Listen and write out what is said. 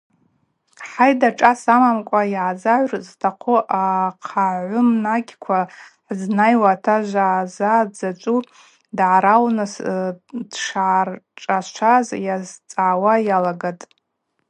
Хӏайда, шӏас амамкӏва ъазагӏва зтахъу ахъагвымнагьква хӏызнайуа, атажв-ъаза дзачӏву, дъагӏарауыз, дшгӏаршӏашваз йазцӏгӏауа йалагатӏ.